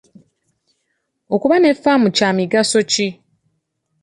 Okuba ne ffaamu kya migaso ki?